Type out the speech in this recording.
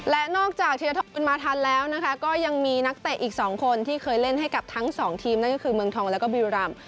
และนอกจากมาทันแล้วนะคะก็ยังมีนักเตะอีก๒คนที่เคยเล่นให้กับทั้งสองทีมนั่นก็คือเมืองทองแล้วก็บิลรำ